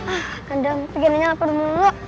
ah kadang kadang begininya lapar mulu